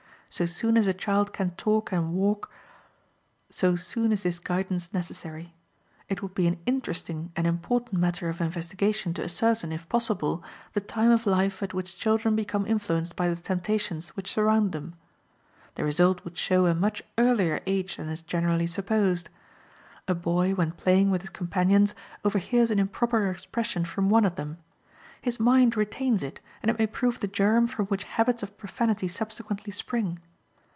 So soon as a child can talk and walk, so soon is this guidance necessary. It would be an interesting and important matter of investigation to ascertain, if possible, the time of life at which children become influenced by the temptations which surround them. The result would show a much earlier age than is generally supposed. A boy, when playing with his companions, overhears an improper expression from one of them. His mind retains it, and it may prove the germ from which habits of profanity subsequently spring.